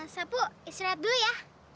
sapu istirahat dulu ya